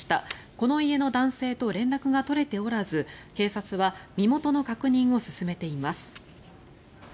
この家の男性と連絡が取れておらず警察は身元の確認を進めています。